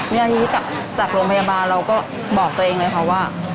เมื่อที่กลับจากโรงพยาบาลเราก็บอกตัวเองเลยเพราะว่า